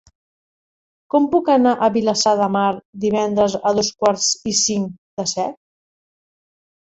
Com puc anar a Vilassar de Mar divendres a dos quarts i cinc de set?